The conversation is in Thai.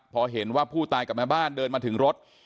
พอเห็นว่าผู้ตายกับแม่บ้านเดินมาถึงรถ